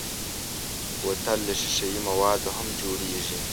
بوتل له ښیښهيي موادو هم جوړېږي.